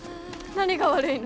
何が悪いの？